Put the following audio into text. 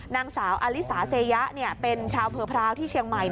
นางสาวอลิซาเซยะเนี่ยเป็นชาวเผลอที่เชียงใหม่